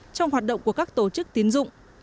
trong hoạt động của các tổ chức tiến dụng